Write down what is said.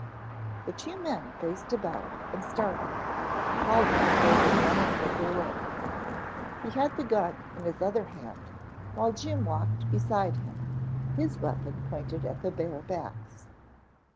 The two men faced about and started, Caldwell holding one end of their rope. He had the gun in his other hand, while Jim walked beside him, his weapon pointed at the bare backs.